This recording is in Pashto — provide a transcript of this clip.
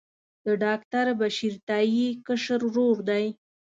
د ډاکټر بشیر تائي کشر ورور دی.